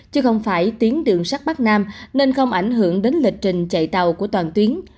chứ không phải tuyến đường sắt bắc nam nên không ảnh hưởng đến lịch trình chạy tàu của toàn tuyến